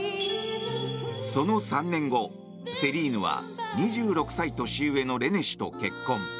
その３年後、セリーヌは２６歳年上のレネ氏と結婚。